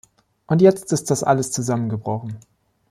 Und jetzt ist das alles zusammengebrochen.